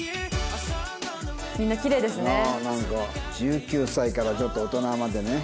ああなんか１９歳からちょっと大人までね。